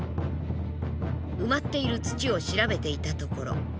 埋まっている土を調べていたところ。